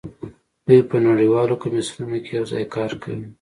دوی په نړیوالو کمیسیونونو کې یوځای کار کوي